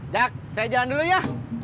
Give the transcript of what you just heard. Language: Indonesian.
jak saya jalan dulu ya